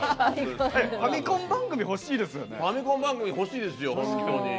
ファミコン番組ほしいですよ、本当に。